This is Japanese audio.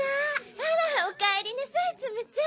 あらおかえりなさいツムちゃん。